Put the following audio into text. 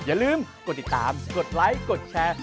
อย่าลืมกดติดตามกดไลค์กดแชร์